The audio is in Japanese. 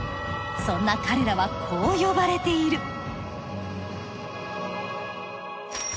そんな彼らはこう呼ばれている。